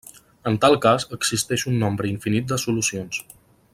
En tal cas, existeix un nombre infinit de solucions.